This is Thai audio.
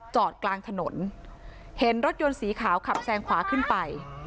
จอดกลางถนนเห็นรถยนต์สีขาวขับแซงขวาขึ้นไป